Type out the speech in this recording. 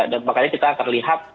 dan makanya kita akan lihat